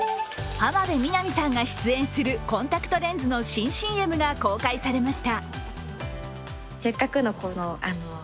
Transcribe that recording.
浜辺美波さんが出演するコンタクトレンズの新ＣＭが公開されました。